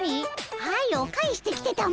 はよ返してきてたも！